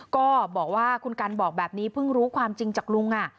ก็บอกว่าคุณกันบอกแบบนี้เพิ่งรู้ความจริงจากลุง